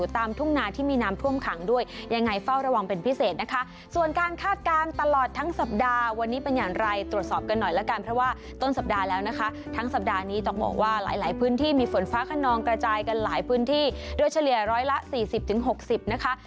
ทั้งสัปดาห์แล้วนะคะทั้งสัปดาห์นี้ต้องบอกว่าหลายพื้นที่มีฝนฟ้าขนองกระจายกันหลายพื้นที่โดยเฉลี่ยร้อยละ๔๐๖๐นะคะ